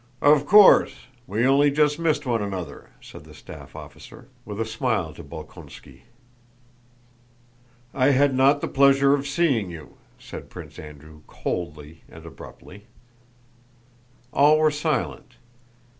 "Of course, we only just missed one another," said the staff officer, with a smile to Bolkónski. "I had not the pleasure of seeing you," said Prince Andrew, coldly and abruptly. All were silent.